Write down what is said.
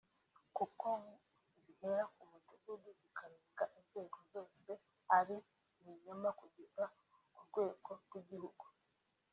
kuko zihera ku mudugu zikarenga inzego zose ari ibinyoma kugeza ku rwego rw’igihugu”